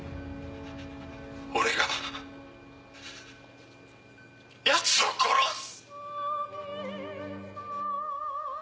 俺がヤツを殺す！